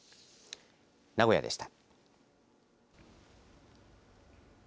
名古屋でした。